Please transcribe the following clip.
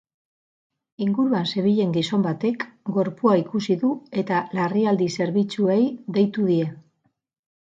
Inguruan zebilen gizon batek gorpua ikusi du eta larrialdi zerbitzuei deitu die.